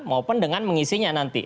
maupun dengan mengisinya nanti